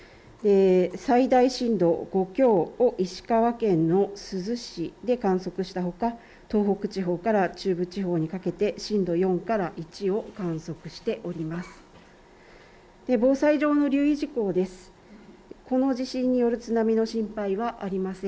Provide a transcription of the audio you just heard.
最大震度５強を石川県の珠洲市で観測したほか東北地方から中部地方にかけて震度４から１を観測しております。